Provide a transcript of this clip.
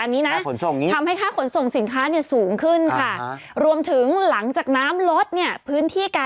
ในเหตุการณ์นี้นะ